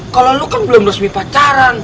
kalau lo kan belum resmi pacaran